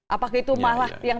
apakah itu malah yang